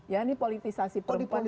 ya ini politisasi perempuan